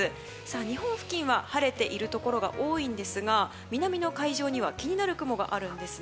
日本付近は晴れているところが多いんですが南の海上には気になる雲があるんです。